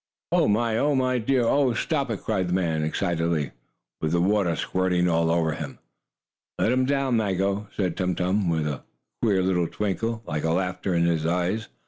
"Oh, my! Oh, dear! Oh, stop it!" cried the man excitedly, with the water squirting all over him. "Let him down now, Maggo," said Tum Tum, with a queer little twinkle, like laughter, in his eyes.